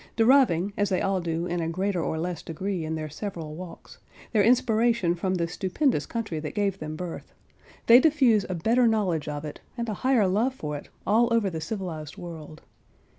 Deriving (as they all do in a greater or less degree, in their several walks) their inspiration from the stupendous country that gave them birth, they diffuse a better knowledge of it, and a higher love for it, all over the civilized world.